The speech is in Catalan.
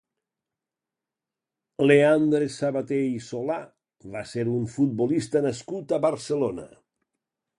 Leandre Sabaté i Solà va ser un futbolista nascut a Barcelona.